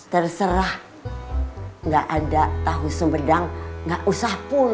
terserah enggak ada tahu sumedang enggak usah pulang